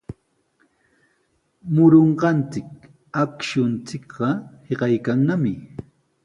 Murunqachik akshunchikqa hiqaykannami.